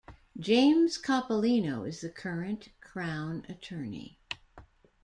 James Coppolino is the current Crown Attorney.